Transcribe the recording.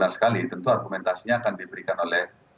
benar sekali tentu argumentasinya akan diberikan oleh